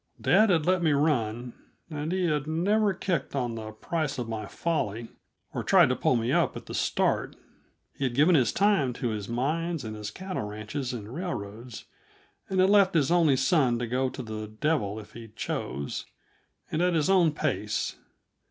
Dad had let me run, and he had never kicked on the price of my folly, or tried to pull me up at the start. He had given his time to his mines and his cattle ranches and railroads, and had left his only son to go to the devil if he chose and at his own pace.